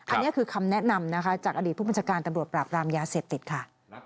อันนี้คือคำแนะนำนะคะจากอดีตผู้บัญชาการตำรวจปราบรามยาเสพติดค่ะ